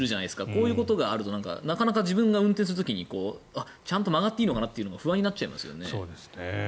こういうことがあるとなかなか自分が運転する時にちゃんと曲がっていいのかなって不安になっちゃいますよね。